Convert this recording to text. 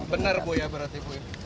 benar bu ya berarti